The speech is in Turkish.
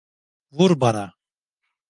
Vur bana.